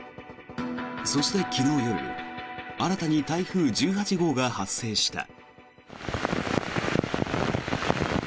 そして、昨日夜新たに台風１８号が発生した。